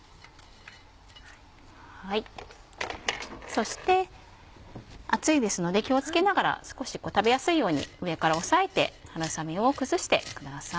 そして熱いですので気を付けながら少し食べやすいように上から押さえて春雨を崩してください。